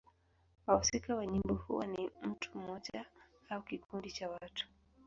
Wahusika wa nyimbo huwa ni mtu mmoja au kikundi cha watu.